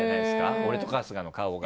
俺と春日の顔が。